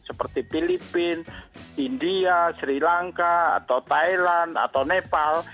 seperti filipina india sri lanka atau thailand atau nepal